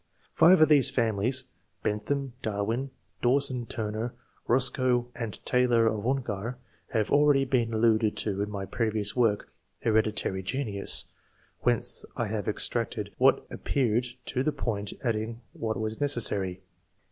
Five of these families (Bentham, Darwin, Dawson Turner, Eos coe, and Taylor of Ongar) have already been alluded to in my previous work ('' Hereditary Genius "), whence I have extracted what appeared to the point, adding what was necessary.